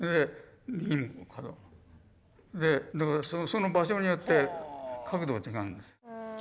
その場所によって角度が違うんです。